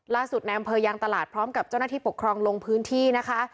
ล่าสุดในบรรเว์ยังตลาดพร้อมกับเจ้าหน้าที่ปกครองลงพื้นที่นะคะ